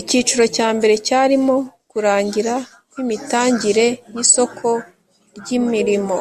icyiciro cya mbere cyarimo kurangira kwi imitangire y isoko ry imirimo